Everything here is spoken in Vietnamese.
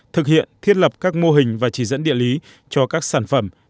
thực hiện thiết lập các mô hình và chỉ dẫn địa lý cho các sản phẩm